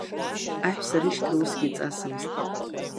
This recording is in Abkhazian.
Аҳәса рышьҭра усгьы иҵасмызт.